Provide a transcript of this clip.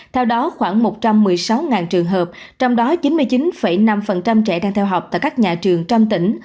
theo đó khoảng một trăm một mươi sáu trường hợp trong đó chín mươi chín năm trẻ đang theo học tại các nhà trường trong tỉnh